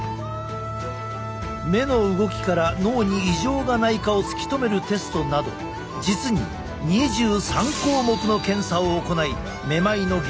目の動きから脳に異常がないかを突き止めるテストなど実に２３項目の検査を行いめまいの原因を調べ上げるのだ。